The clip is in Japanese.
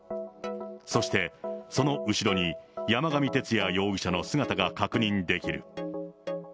そして、その後ろに、山上徹也容疑者の姿が確認できる。